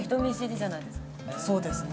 そうですね。